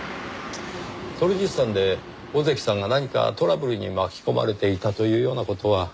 トルジスタンで小関さんが何かトラブルに巻き込まれていたというような事は？